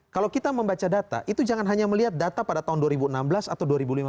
kalau kita membaca data itu jangan hanya melihat data pada tahun dua ribu enam belas atau dua ribu lima belas